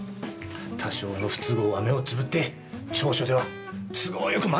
多少の不都合は目をつぶって調書では都合よくまとめてあげますから。